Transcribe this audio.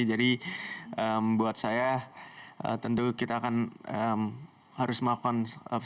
jadi buat saya tentu kita akan harus memakai